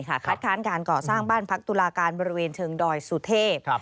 คัดค้านการก่อสร้างบ้านพักตุลาการบริเวณเชิงดอยสุเทพ